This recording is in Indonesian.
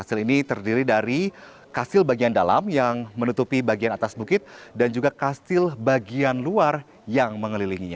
kastil ini terdiri dari kastil bagian dalam yang menutupi bagian atas bukit dan juga kastil bagian luar yang mengelilinginya